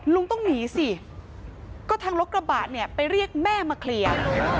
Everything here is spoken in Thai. ลุงต้องหนีสิก็ทางรถกระบะเนี่ยไปเรียกแม่มาเคลียร์